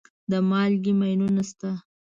د مالګې ماینونه شته.